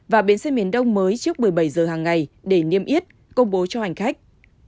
và bến xe miền đông mới trước một mươi bảy giờ hàng ngày để niêm yết công bố cho hành khách